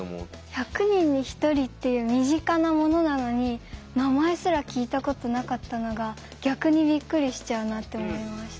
１００人に１人っていう身近なものなのに名前すら聞いたことなかったのが逆にびっくりしちゃうなって思いました。